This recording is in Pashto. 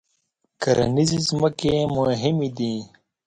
کرنیزې ځمکې مهمې دي.